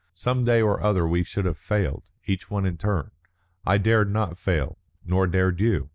Some day or other we should have failed, each one in turn. I dared not fail, nor dared you.